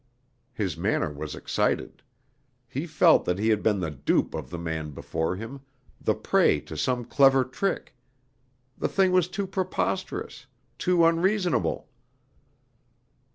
His manner was excited. He felt that he had been the dupe of the man before him, the prey to some clever trick; the thing was too preposterous, too unreasonable.